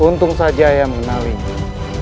untung saja yang mengenalinya